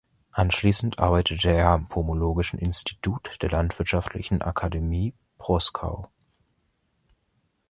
Anschließend arbeitete er am Pomologischen Institut der Landwirtschaftlichen Akademie Proskau.